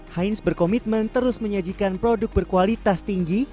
heinz berkomitmen terus menyajikan produk berkualitas tinggi